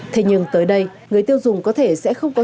thế nhưng tới đây người tiêu dùng có thể sẽ không có